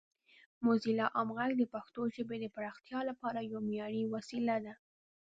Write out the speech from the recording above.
موزیلا عام غږ د پښتو ژبې د پراختیا لپاره یوه معیاري وسیله ده.